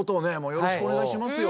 よろしくお願いしますよ。